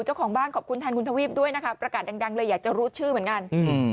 เจ้าของบ้านขอบคุณแทนคุณทวีปด้วยนะคะประกาศดังเลยอยากจะรู้ชื่อเหมือนกัน